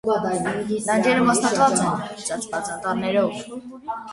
Լանջերը մասնատված են՝ ծածկված անտառներով։